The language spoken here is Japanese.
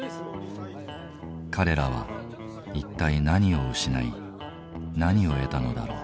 彼らは一体何を失い何を得たのだろう。